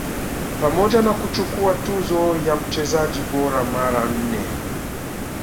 pamoja na kuchukua tuzo ya mchezaji bora mara nne